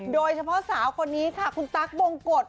โดยเฉพาะสาวคนนี้ค่ะคุณตั๊กบงกฎ